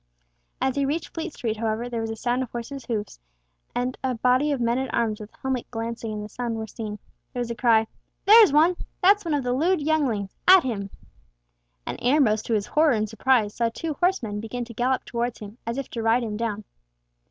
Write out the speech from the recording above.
As he reached Fleet Street, however, there was a sound of horses' feet, and a body of men at arms with helmets glancing in the sun were seen. There was a cry, "There's one! That's one of the lewd younglings! At him!" And Ambrose to his horror and surprise saw two horsemen begin to gallop towards him, as if to ride him down.